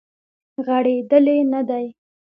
غړیدلې نه دی